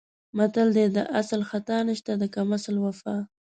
متل دی: د اصل خطا نشته د کم اصل وفا.